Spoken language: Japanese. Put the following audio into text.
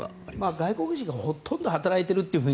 外国人はほとんど働いていますよ。